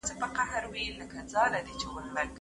کله غوټه په وجود راتلای سي؟